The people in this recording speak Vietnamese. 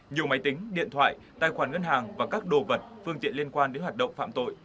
nhiều máy tính điện thoại tài khoản ngân hàng và các đồ vật phương tiện liên quan đến hoạt động phạm tội